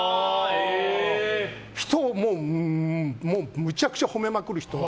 人をもうむちゃくちゃ褒めまくる人。